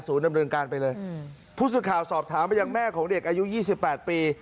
ศูนย์ดำเนินการไปเลยผู้สื่อข่าวสอบถามว่าอย่างแม่ของเด็กอายุ๒๘ปี